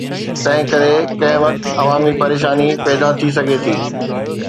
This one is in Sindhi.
تنهنڪري ڪنهن وقت عوامي پريشاني پيدا ٿي سگهي ٿي.